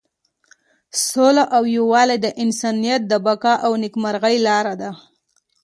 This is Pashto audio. سوله او یووالی د انسانیت د بقا او نیکمرغۍ لاره ده.